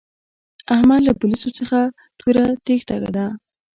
احمد له پوليسو څخه توره تېښته ده.